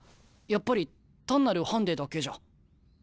やっぱり単なるハンデだけじゃ。